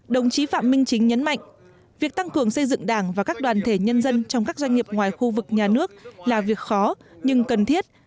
đồng chí phạm minh chính nhấn mạnh việc tăng cường xây dựng đảng và các đoàn thể nhân dân trong các doanh nghiệp ngoài khu vực nhà nước là việc khó nhưng cần thiết